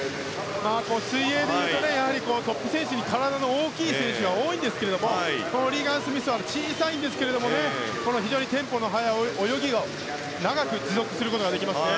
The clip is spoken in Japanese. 水泳でいうとトップ選手に体の大きな選手が多いんですがこのリーガン・スミスは小さいんですけども非常にテンポの速い泳ぎを長く持続できますね。